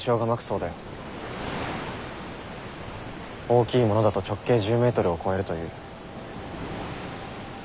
大きいものだと直径１０ｍを超えるという。